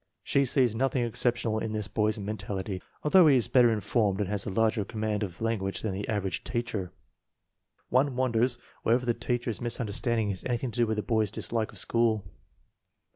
She sees nothing exceptional in this boy's men tality, although he is better informed and has a larger command of language than the average teacher. One wonders whether the teacher's misunderstanding has anything to do with the boy's dislike of school.